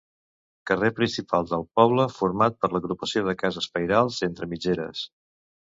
Carrer principal del poble format per l'agrupació de cases pairals entre mitgeres.